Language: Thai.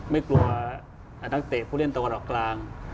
ไม่กลัวนักเตะผู้เล่นตะวันออกกลาง